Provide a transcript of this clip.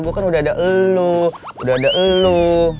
gua kan udah ada elu udah ada elu